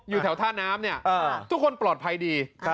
อยู่แถวท่าน้ำเนี่ยทุกคนปลอดภัยดี